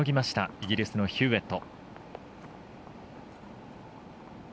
イギリスのヒューウェット。